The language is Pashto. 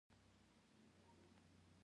د اسلامی دولت یو شمیر نوري دندي هم لري.